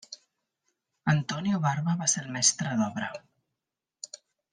Antonio Barba va ser el mestre d'obra.